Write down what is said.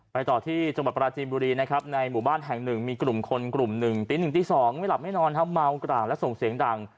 ไปต่อที่จบัตรปราจีมบุรีนะครับในหมู่บ้านแห่ง๑มีกลุ่มคนกลุ่ม๑ตี๑ตี๒ไม่หลับไม่นอนเธอเมากล่าวและส่งเสียงดัง